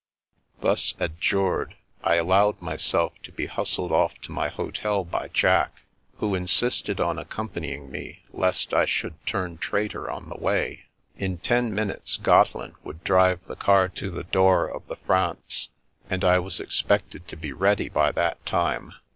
Thus adjured, I allowed myself to be hustled oflf to my hotel by Jack, who insisted on accompanying me lest I should turn traitor on the way. In ten min utes Gotteland would drive the car to the door of the France, and I was expected to be ready by that time.